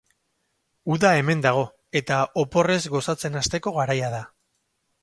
Uda hemen dago, eta oporrez gozatzen hasteko garaia da!